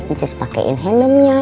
ncis pakein helmnya